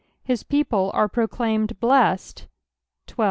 His peipie are proclaimed lAexsed, 13.